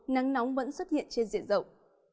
nắng nóng vẫn xuất hiện trên diện rộng